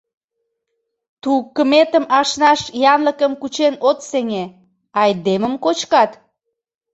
Т-тукыметым ашнаш янлыкым кучен от сеҥе, айдемым кочкат?!